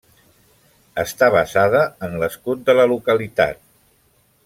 Està basada en l'escut de la localitat.